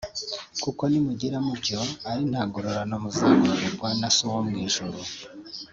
kuko nimugira mutyo ari nta ngororano muzagororerwa na So wo mu ijuru